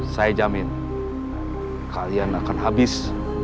saya jamin kalian akan habis